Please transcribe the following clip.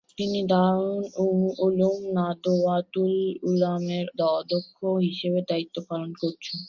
তিনি দারুল উলুম নাদওয়াতুল উলামার অধ্যক্ষ হিসেবে দায়িত্ব পালন করছেন।